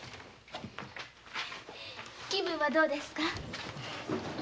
気分はどうですか？